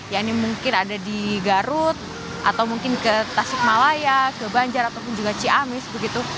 ya ini mungkin ada di garut atau mungkin ke tasik malaya ke banjar ataupun juga ciamis begitu